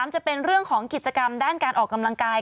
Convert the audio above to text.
จะเป็นเรื่องของกิจกรรมด้านการออกกำลังกาย